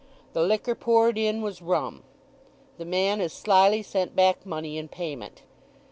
The liquor poured in was rum. The man as slily sent back money in payment.